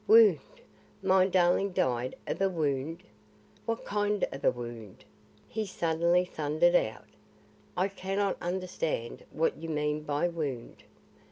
wound! my darling died of a wound! What kind of a wound?" he suddenly thundered out. "I cannot understand what you mean by wound.